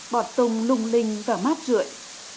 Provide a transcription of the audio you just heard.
bọt tung lung linh và mát rượi